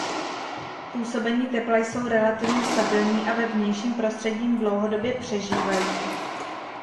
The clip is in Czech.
K působení tepla jsou relativně stabilní a ve vnějším prostředí dlouhodobě přežívají.